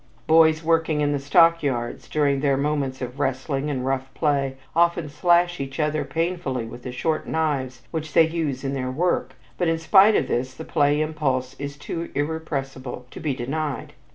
Boys working in the stock yards, during their moments of wrestling and rough play, often slash each other painfully with the short knives which they use in their work, but in spite of this the play impulse is too irrepressible to be denied.